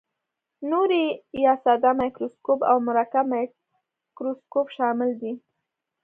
نوري یا ساده مایکروسکوپ او مرکب مایکروسکوپ شامل دي.